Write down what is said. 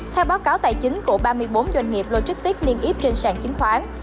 theo báo cáo tài chính của ba mươi bốn doanh nghiệp logistics niên yếp trên sàn chính khoán